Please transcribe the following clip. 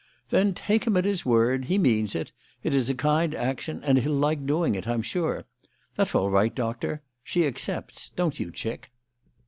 "Then take him at his word. He means it. It is a kind action and he'll like doing it, I'm sure. That's all right, Doctor; she accepts, don't you, chick?"